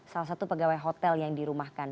salah satu pegawai hotel yang dirumahkan